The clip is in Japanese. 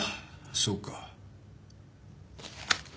そうか。